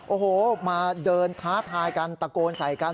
โอ้โหมาเดินท้าทายกันตะโกนใส่กัน